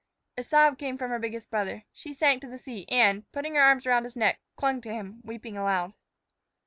A sob came from her biggest brother. She sank to the seat and, putting her arms about his neck, clung to him, weeping aloud.